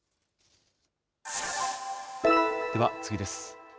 では次です。